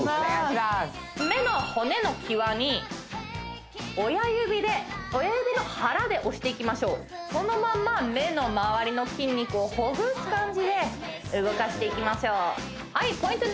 目の骨の際に親指で親指のハラで押していきましょうそのまま目の周りの筋肉をほぐす感じで動かしていきましょうはいポイント